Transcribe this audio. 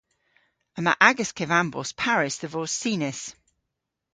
Yma agas kevambos parys dhe vos sinys.